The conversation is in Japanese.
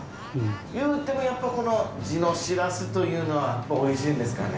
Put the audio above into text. ゆうてもやっぱこの地のしらすというのは美味しいんですかね？